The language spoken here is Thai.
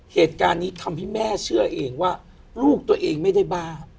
เหตุการณ์นี้ทำให้แม่เชื่อเองว่าลูกตัวเองไม่ได้บ้า